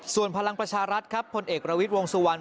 ส่วนพลังประชารัฐครับพลเอกประวิทย์วงสุวรรณ